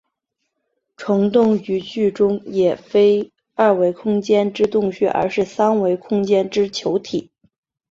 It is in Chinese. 虫洞于剧中也非二维空间之洞穴而是三维空间之球体。